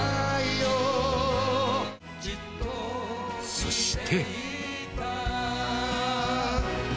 そして。